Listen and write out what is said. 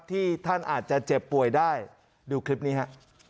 ที่ท่านอาจจะเจ็บป่วยได้ดูคลิปนี้ฮะ